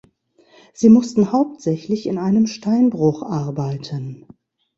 Sie mussten hauptsächlich in einem Steinbruch arbeiten.